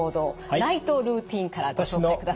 ナイトルーティンからご紹介ください。